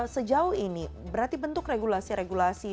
sejauh ini berarti bentuk regulasi regulasi